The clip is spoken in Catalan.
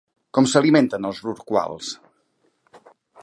Com s'alimenten els rorquals?